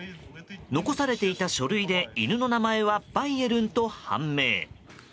残されていた書類で犬の名前はバイエルンと判明。